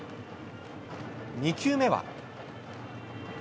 球、２球目は。